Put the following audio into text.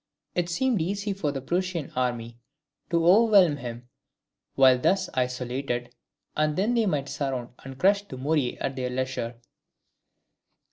It seemed easy for the Prussian army to overwhelm him while thus isolated, and then they might surround and crush Dumouriez at their leisure.